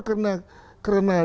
karena dari perlampilan